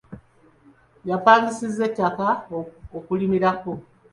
Yapangisizza ettaka okulimirako.